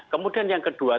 kemudian yang kedua